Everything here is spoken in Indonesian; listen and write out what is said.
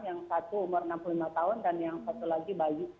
yang satu umur enam puluh lima tahun dan yang satu lagi bayi